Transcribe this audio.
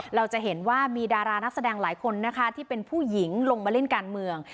เราจะเห็นว่ามีดารานักแสดงหลายคนนะคะที่เป็นผู้หญิงลงมาเล่นการเมือง